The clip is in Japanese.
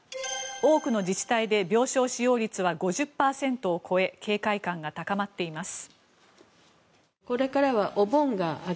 多くの自治体で病床使用率は５０％を超え警戒感が高まっています。